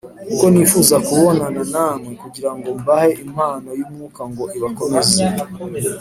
kuko nifuza kubonana namwe kugira ngo mbahe impano y’Umwuka ngo ibakomeze